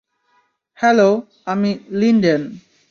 Hello, আমি Linden.